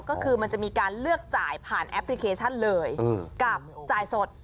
ก็คือมันจะมีการเลือกจ่ายผ่านแอปพลิเคชันเลยกับจ่ายสด